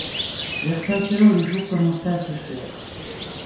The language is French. Vers cinq heures, le jour commença à se faire